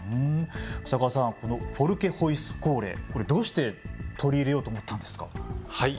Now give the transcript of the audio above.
宇佐川さん、このフォルケホイスコーレ、どうして取り入れようと思ったんですか。